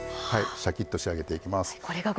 シャキッと仕上げていきます。